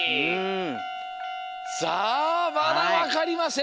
さあまだわかりません。